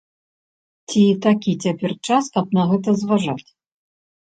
Ці такі час цяпер, каб на гэта зважаць?